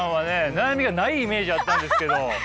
悩みがないイメージあったんですけど。